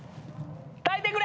耐えてくれ！